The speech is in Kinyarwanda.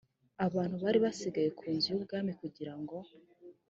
abantu bari basigaye ku nzu y’ubwami kugira ngo